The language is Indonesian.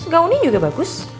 gaun nya juga bagus